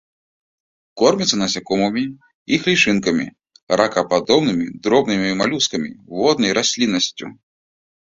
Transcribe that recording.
Корміцца насякомымі, іх лічынкамі, ракападобнымі, дробнымі малюскамі, воднай расліннасцю.